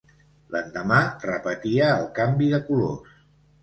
L'endemà repetia el canvi de colors.